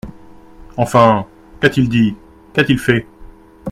Enfin, qu’a-t-il dit, qu’a-t-il fait ?